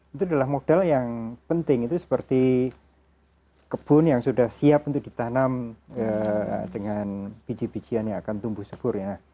itu adalah modal yang penting itu seperti kebun yang sudah siap untuk ditanam dengan biji bijian yang akan tumbuh sebur ya